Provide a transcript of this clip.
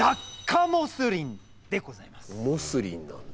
モスリンなんだ。